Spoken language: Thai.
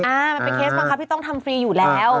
มันเป็นเคสบังคับที่ต้องทำฟรีอยู่แล้ว